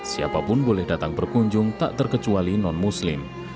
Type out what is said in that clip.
siapapun boleh datang berkunjung tak terkecuali non muslim